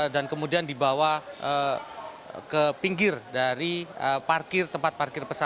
dan kemudian dibawa ke pinggir dari tempat parkir